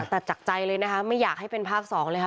จากใจเลยนะคะไม่อยากให้เป็นภาคสองเลยค่ะ